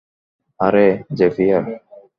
আরে, জেভিয়ার।